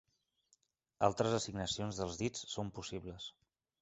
Altres assignacions dels dits són possibles.